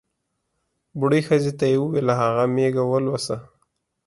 بوډۍ ښځې ته یې ووېل هغه مېږه ولوسه.